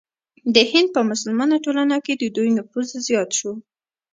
د هند په مسلمانه ټولنه کې د دوی نفوذ زیات شو.